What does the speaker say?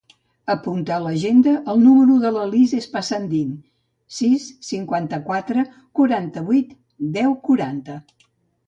Apunta a l'agenda el número de la Lis Espasandin: sis, cinquanta-quatre, quaranta-vuit, deu, quaranta.